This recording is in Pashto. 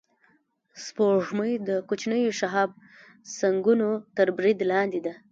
سپوږمۍ د کوچنیو شهابسنگونو تر برید لاندې ده